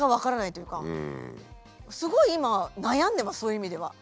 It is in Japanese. すごい今悩んでますそういう意味では。